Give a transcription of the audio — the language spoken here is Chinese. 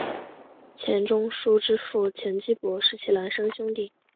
钱钟书之父钱基博是其孪生兄弟。